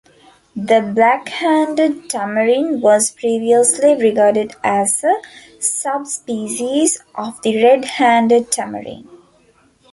The black-handed tamarin was previously regarded as a subspecies of the red-handed tamarin.